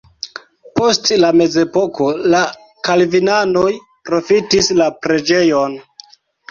Post la mezepoko la kalvinanoj profitis la preĝejon.